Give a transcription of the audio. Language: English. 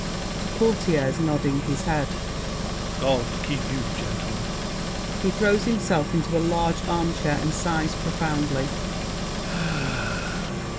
[To Courtiers, nodding his head. God keep you, gentlemen! [He throws himself into a large armchair and sighs profoundly.